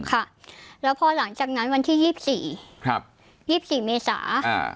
ค่ะแล้วพอหลังจากนั้นวันที่ยี่สิบสี่ครับยี่สิบสี่เมษาอ่า